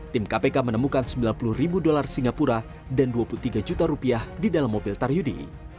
tim kpk menemukan sembilan puluh ribu dolar singapura dan dua puluh tiga juta rupiah di dalam mobil taryudi